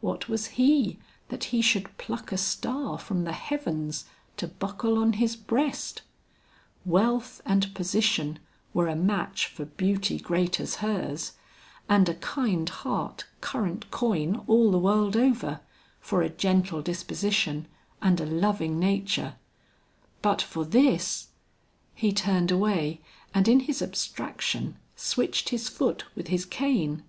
What was he that he should pluck a star from the heavens, to buckle on his breast! Wealth and position were a match for beauty great as hers, and a kind heart current coin all the world over, for a gentle disposition and a loving nature; but for this He turned away and in his abstraction switched his foot with his cane.